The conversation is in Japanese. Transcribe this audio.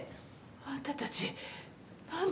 あんたたち何で？